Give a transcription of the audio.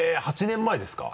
８年前ですか？